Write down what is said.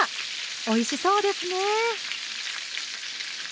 おいしそうですね！